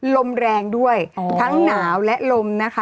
ลมแรงด้วยทั้งหนาวและลมนะคะ